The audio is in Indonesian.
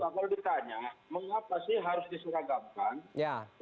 kemudian itu kalau ditanya mengapa sih harus disuragamkan